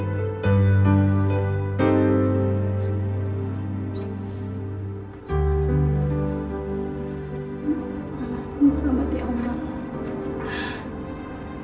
alhamdulillah ya allah